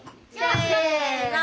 せの。